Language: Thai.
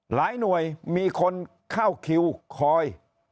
หลายหน่วยมีคนเข้าคิวคอย